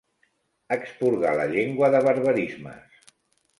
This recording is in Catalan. Expurgar la llengua de barbarismes.